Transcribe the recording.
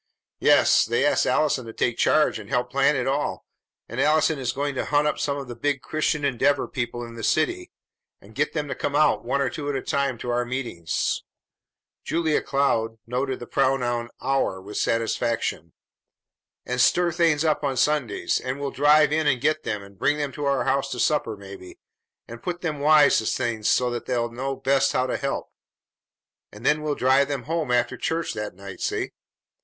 "Yes, they asked Allison to take charge and help plan it all out; and Allison is going to hunt up some of the big Christian Endeavor people in the city, and get them to come out one or two at a time to our meetings," Julia Cloud noted the pronoun "our" with satisfaction, "and stir things up on Sundays; and we'll drive in and get them, and bring them to our house to supper, maybe, and put them wise to things so they'll know best how to help; and then we'll drive them home after church that night, see?